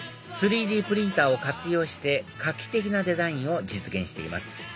３Ｄプリンターを活用して画期的なデザインを実現しています